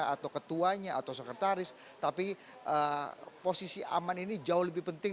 atau ketuanya atau sekretaris tapi posisi aman ini jauh lebih penting